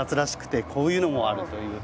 こういうのもあるという。